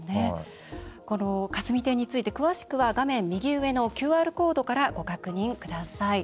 この霞堤について詳しくは画面右上のＱＲコードからご確認ください。